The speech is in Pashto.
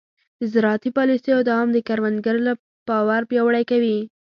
د زراعتي پالیسیو دوام د کروندګر باور پیاوړی کوي.